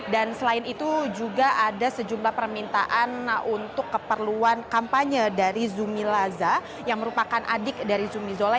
dan selain itu juga ada sejumlah permintaan untuk keperluan kampanye dari zumi laza yang merupakan adik dari zumi zola